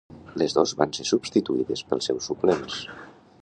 Les dos van ser substituïdes pels seus suplents.